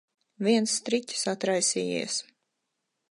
Viens striķis atraisījies.